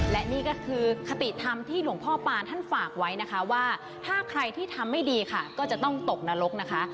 และนี่ก็คือคติธรรมที่หลวงพ่อปานท่านฝากไว้นะคะว่าถ้าใครที่ทำไม่ดีค่ะก็จะต้องตกนรกนะคะ